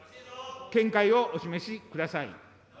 見解をお示しください。